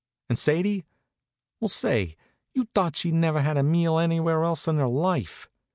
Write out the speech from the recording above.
And Sadie? Well, say, you'd thought she'd never had a meal anywhere else in her life.